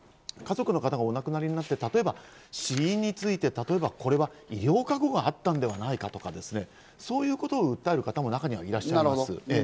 家族の方がお亡くなりになって例えば死因についてこれは医療過誤があったんではないかとか、そういうことを訴える方も中にいらっしゃいます。